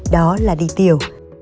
đó là đi tiểu